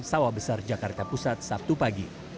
sawah besar jakarta pusat sabtu pagi